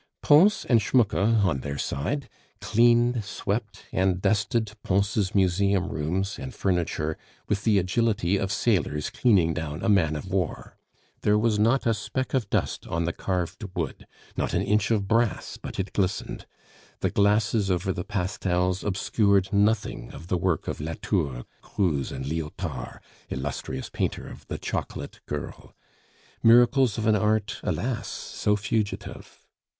Pons and Schmucke, on their side, cleaned, swept, and dusted Pons' museum rooms and furniture with the agility of sailors cleaning down a man of war. There was not a speck of dust on the carved wood; not an inch of brass but it glistened. The glasses over the pastels obscured nothing of the work of Latour, Greuze, and Liotard (illustrious painter of The Chocolate Girl), miracles of an art, alas! so fugitive.